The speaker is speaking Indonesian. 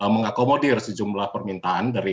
mengakomodir sejumlah permintaan dari